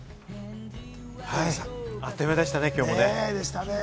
あっという間でしたね、今日もね。